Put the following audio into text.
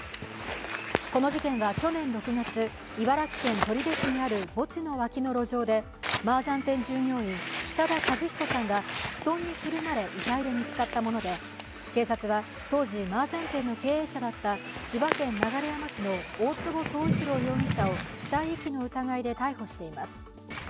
この事件は去年６月、茨城県取手市にある墓地の脇の路上で、マージャン店従業員北田和彦さんが布団にくるまれ遺体で見つかったもので、警察は当時、マージャン店の経営者だった千葉県流山市の大坪宗一郎容疑者を死体遺棄の疑いで逮捕しています。